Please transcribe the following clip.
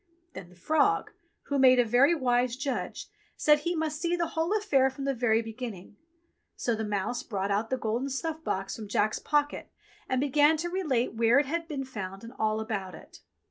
Then the frog, who made a very wise judge, said he must see the THE GOLDEN SNUFF BOX 51 whole affair from the very beginning ; so the mouse brought out the golden snuff box from Jack's pocket, and began to relate where it had been found and all about it.